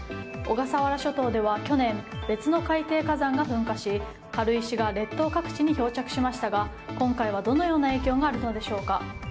小笠原諸島では去年別の海底火山が噴火し軽石が列島各地に漂着しましたが今回は、どのような影響があるのでしょうか。